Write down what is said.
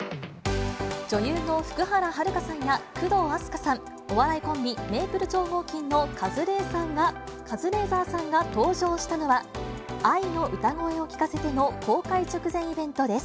女優の福原遥さんや工藤阿須加さん、お笑いコンビ、メープル超合金のカズレーザーさんが登場したのは、アイの歌声を聴かせての公開直前イベントです。